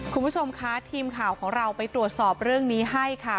คุณผู้ชมคะทีมข่าวของเราไปตรวจสอบเรื่องนี้ให้ค่ะ